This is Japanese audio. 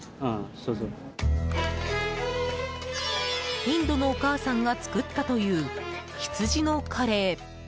インドのお母さんが作ったという、羊のカレー。